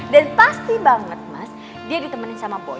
dan pasti banget mas dia ditemenin sama boy